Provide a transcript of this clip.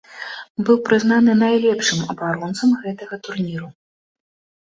Быў прызнаны найлепшым абаронцам гэтага турніру.